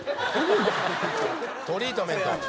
「トリートメント！」